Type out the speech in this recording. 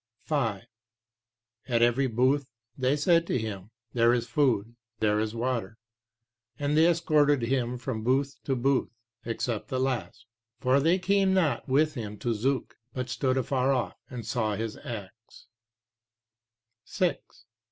p. 131 5. At every booth they said to him, "there is food, there is water," and they escorted him from booth to booth, except the last. For they came not with him to Zuk, but stood afar off and saw his acts. 6.